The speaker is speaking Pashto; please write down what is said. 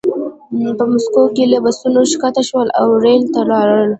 په مسکو کې له بسونو ښکته شول او ریل ته لاړل